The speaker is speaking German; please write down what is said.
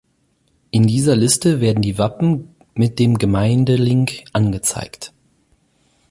In dieser Liste werden die Wappen mit dem Gemeindelink angezeigt.